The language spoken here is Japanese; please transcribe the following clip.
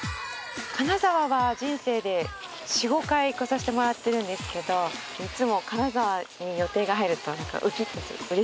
金沢は人生で４５回来させてもらってるんですけどいつも金沢に予定が入ると浮きっとする。